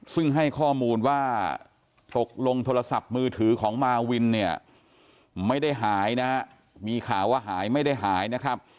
ซึ่งให้ข้อมูลว่าตกลงโทรศัพท์มือถือของมาวินเนี่ยไม่ได้หายนะฮะมีข่าวว่าหายไม่ได้หายนะครับ